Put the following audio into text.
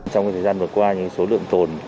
trong thời gian vừa qua số lượng tồn